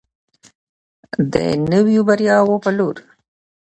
د نویو بریاوو په لور.